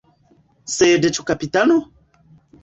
Sed ĉu kapitano?